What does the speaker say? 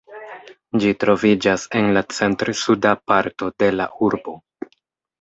Ĝi troviĝas en la centr-suda parto de la urbo.